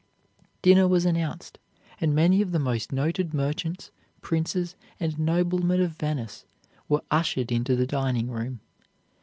Dinner was announced, and many of the most noted merchants, princes, and noblemen of Venice were ushered into the dining room.